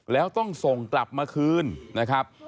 แล้วต้องส่งกลับมาคืนนะครับ